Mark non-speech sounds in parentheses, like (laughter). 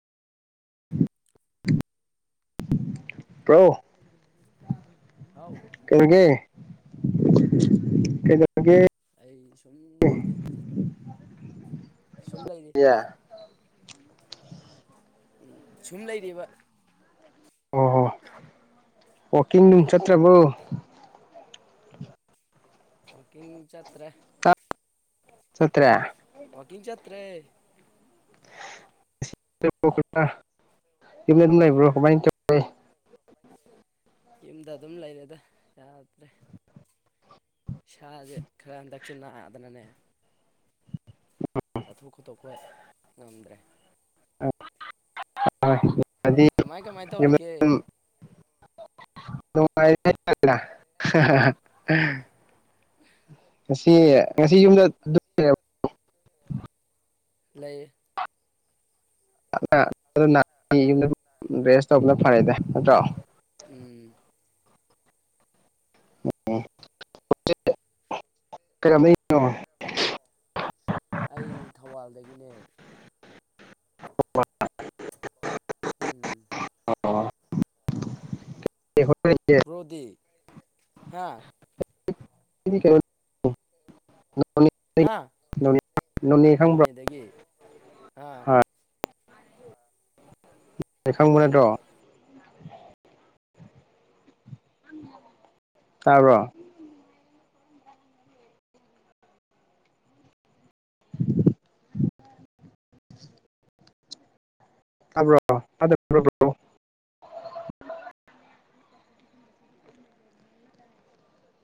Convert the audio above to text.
pro ꯍꯥꯎ ꯀꯒꯦ ꯀꯩꯗ ꯑꯩ ꯁꯨꯝ ꯂꯩꯔꯤ ꯁꯨꯝ ꯂꯩꯔꯤ ꯁꯨꯝ ꯂꯩꯔꯤꯕ ꯑꯣ ꯍꯣ ꯑꯣꯀꯤꯡ ꯅꯨꯡꯝ ꯆꯠꯇ꯭ꯔꯕꯣ ꯋꯀꯤꯡ ꯆꯠꯇ꯭ꯔꯦ ꯁꯠꯇ꯭ꯔꯦ ꯋꯥꯀꯤꯡ ꯆꯠꯇ꯭ꯔꯦ ꯍꯂꯠ ꯂꯩꯕ꯭ꯔꯣ ꯀꯃꯥꯏꯅ ꯇ ꯌꯨꯝꯗ ꯑꯗꯨꯝ ꯂꯩꯔꯦꯗ ꯌꯥꯗ꯭ꯔꯦ ꯏꯁꯥꯁꯦ ꯈꯔ ꯍꯟꯗꯛꯁꯦ ꯅꯥꯗꯅꯅꯦ ꯎ ꯊꯕꯛ ꯈꯣꯇꯣꯛꯄ ꯉꯝꯗ꯭ꯔꯦ (unintelligible) ꯀꯃꯥꯏ ꯀꯃꯥꯏ ꯇꯧꯔꯤꯒꯦ ꯉ (unintelligible) ꯁꯤ ꯉꯁꯤ ꯌꯨꯝꯗꯕ ꯂꯩ ꯌ ꯔꯦꯁ ꯇꯧꯕꯅ ꯐꯔꯦꯗ ꯅꯠꯇ꯭ꯔꯣ ꯎꯝ ꯎꯝ ꯀꯣ ꯑꯗꯒꯤꯅꯦ ꯑꯣ ꯎꯝ ꯑꯣ ꯔ꯭ꯔꯣꯗꯤ ꯍꯥꯦ ꯍꯥ (unintelligible) ꯅꯣꯅꯦ ꯈꯪꯕ꯭ꯔꯥ ꯅꯣꯅꯦꯗꯒꯤ ꯑꯥ ꯍꯣꯏ ꯂꯩꯈꯪꯕꯅꯦꯗꯣ ꯇꯥꯔꯣ (unintelligible) (unintelligible) ꯕ꯭ꯔ